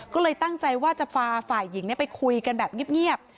ก็เลยตั้งใจว่าจะพาฝ่ายหญิงไปคุยกันแบบเงียบ